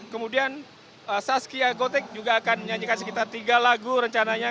kemudian saskia gotik juga akan menyanyikan sekitar tiga lagu rencananya